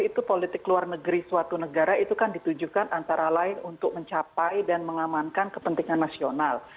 jadi itu politik luar negeri suatu negara itu kan ditujukan antara lain untuk mencapai dan mengamankan kepentingan nasional